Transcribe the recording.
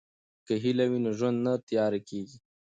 که هیله وي نو ژوند نه تیاره کیږي.